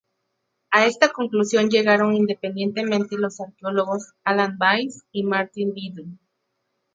A esta conclusión llegaron independientemente los arqueólogos Alan Vince y Martin Biddle.